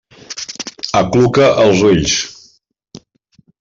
Acluca els ulls.